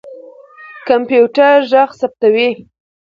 کمپيوټر ږغ ثبتوي.